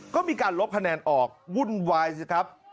ก็มีการลบคะแนนออกวุ่นวายสิครับ